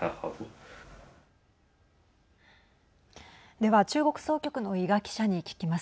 では、中国総局の伊賀記者に聞きます。